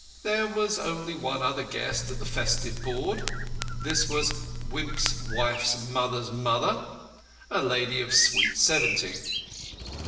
There was only one other guest at the festive board. This was Wimp's wife's mother's mother, a lady of sweet seventy.